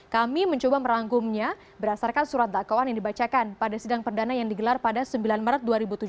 kami mencoba merangkumnya berdasarkan surat dakwaan yang dibacakan pada sidang perdana yang digelar pada sembilan maret dua ribu tujuh belas